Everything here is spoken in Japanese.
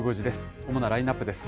主なラインナップです。